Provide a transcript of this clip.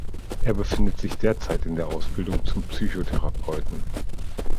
Er befindet sich derzeit in der Ausbildung zum Psychotherapeuten.